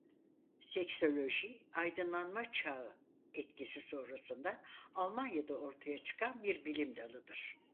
Seksoloji Aydınlanma Çağı etkisi sonrasında Almanya'da ortaya çıkan bir bilim dalıdır.